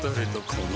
この